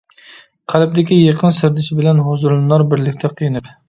قەلبىدىكى يېقىن سىردىشى بىلەن، ھۇزۇرلىنار بىرلىكتە قېنىپ.